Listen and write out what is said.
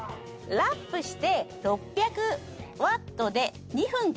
ラップして６００ワットで２分加熱します。